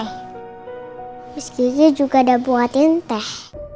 terus gizi juga udah buatin teh